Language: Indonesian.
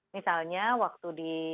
misalnya waktu di